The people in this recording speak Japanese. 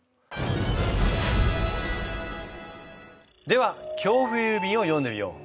では恐怖幽便を読んでみよう。